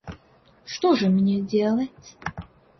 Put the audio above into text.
Что же мне делать?